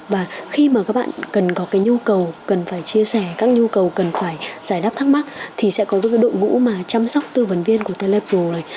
và khi mà các bạn cần có cái nhu cầu cần phải chia sẻ các nhu cầu cần phải giải đáp thắc mắc thì sẽ có cái đội ngũ mà chăm sóc tư vấn viên của telepro này